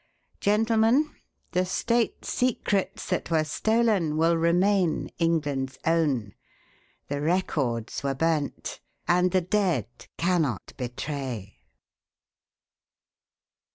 Gentlemen, the State secrets that were stolen will remain England's own the records were burnt, and the dead cannot betray."